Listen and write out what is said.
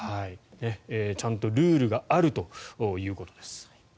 ちゃんとルールがあるということです。